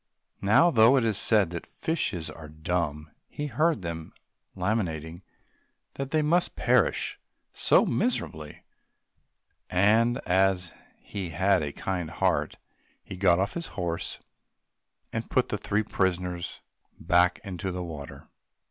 Now, though it is said that fishes are dumb, he heard them lamenting that they must perish so miserably, and, as he had a kind heart, he got off his horse and put the three prisoners back into the water.